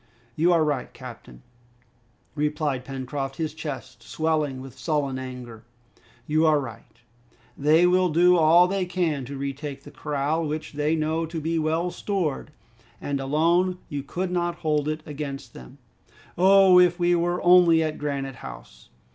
"You are right, captain," replied Pencroft, his chest swelling with sullen anger. "You are right; they will do all they can to retake the corral, which they know to be well stored; and alone you could not hold it against them." "Oh, if we were only at Granite House!"